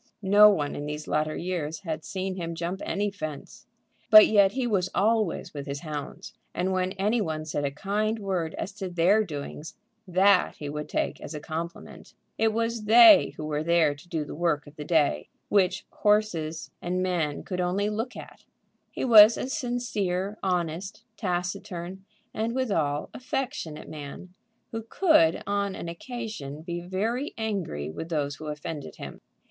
No one in these latter years had seen him jump any fence. But yet he was always with his hounds, and when any one said a kind word as to their doings, that he would take as a compliment. It was they who were there to do the work of the day, which horses and men could only look at. He was a sincere, honest, taciturn, and withal, affectionate man, who could on an occasion be very angry with those who offended him.